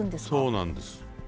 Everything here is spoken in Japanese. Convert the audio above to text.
そうなんです。